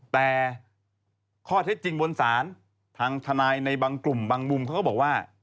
แต่ข้อเท็จจริงบนศาลทางทนายในบางกลุ่มบางมุมเขาก็บอกว่า